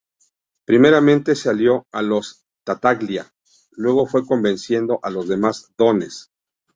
Primeramente se alió a los Tattaglia, luego fue convenciendo a los demás Dones.